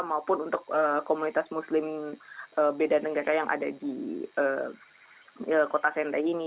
maupun untuk komunitas muslim beda negara yang ada di kota sendai ini